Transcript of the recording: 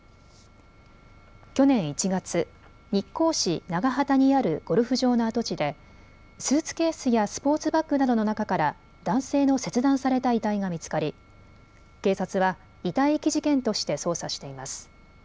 去年１月、日光市長畑にあるゴルフ場の跡地でスーツケースやスポーツバッグなどの中から男性の切断された遺体が見つかり警察は遺体遺棄事件として捜査しています。